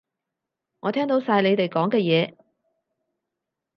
我聽到晒你哋講嘅嘢